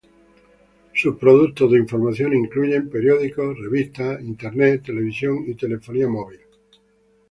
Sus productos de información incluyen periódicos, revistas, Internet, televisión y telefonía móvil.